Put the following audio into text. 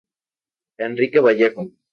Enrique Vallejo.